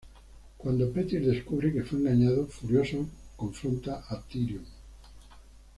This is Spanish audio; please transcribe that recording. Cuando Petyr descubre que fue engañado, furioso confronta a Tyrion.